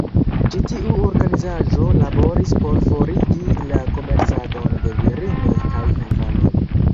Ĉi tiu organizaĵo laboris por forigi la komercadon de virinoj kaj infanoj.